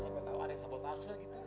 sampai tau ada sabotase gitu